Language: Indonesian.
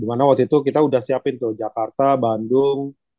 di mana waktu itu kita udah siapin tuh jakarta bali jepang indonesia gitu ya